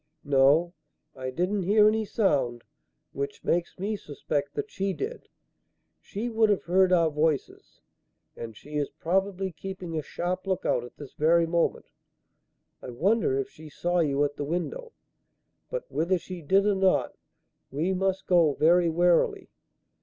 "No; I didn't hear any sound; which makes me suspect that she did. She would have heard our voices and she is probably keeping a sharp look out at this very moment. I wonder if she saw you at the window. But whether she did or not, we must go very warily.